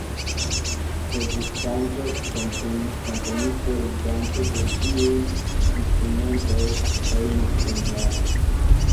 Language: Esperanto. Produktanto, komponisto, ludanto de ĉiuj instrumentoj: Rainer Conrad.